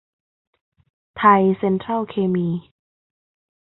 ไทยเซ็นทรัลเคมี